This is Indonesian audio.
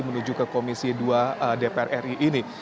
menuju ke komisi dua dpr ri ini